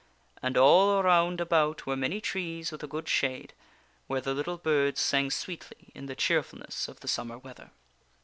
And all around about were many trees with a good shade, where the little birds sang sweetly in the cheerfulness of the summer weather.